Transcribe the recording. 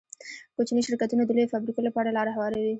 کوچني شرکتونه د لویو فابریکو لپاره لاره هواروي.